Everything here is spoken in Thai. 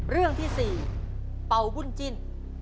เรื่องที่๔เป่าวุ่นจิ้น